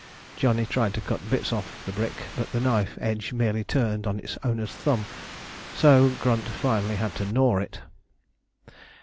Johnny tried to cut bits off the brick, but the knife edge merely turned on its owner's thumb, so finally Grunt had to gnaw it.